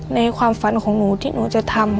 ในความฝันของหนูที่หนูจะทำ